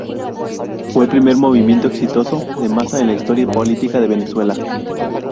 Fue el primer movimiento exitoso de masas en la historia política de Venezuela.